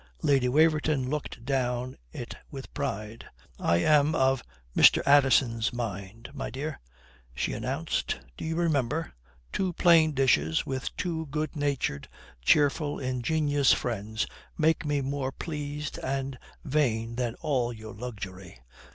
Lady Waverton looked down it with pride. "I am of Mr. Addison's mind, my dear," she announced. "Do you remember? 'Two plain dishes with two good natured, cheerful, ingenious friends make me more pleased and vain than all your luxury.'"